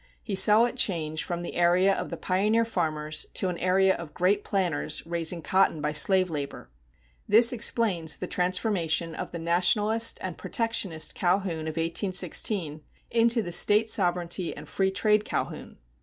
He saw it change from the area of the pioneer farmers to an area of great planters raising cotton by slave labor. This explains the transformation of the nationalist and protectionist Calhoun of 1816 into the state sovereignty and free trade Calhoun.